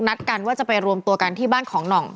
นัดกันว่าจะไปรวมตัวกันที่บ้านของหน่อง